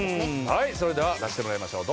はいそれでは出してもらいましょう。